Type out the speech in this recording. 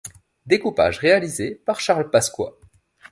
Découpage réalisé par Charles Pasqua.